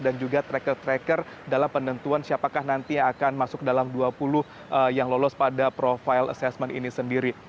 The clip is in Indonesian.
dan juga tracker tracker dalam penentuan siapakah nanti akan masuk dalam dua puluh yang lolos pada profil sesmen ini sendiri